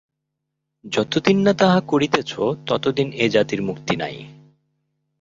যতদিন না তাহা করিতেছ, ততদিন এ জাতির মুক্তি নাই।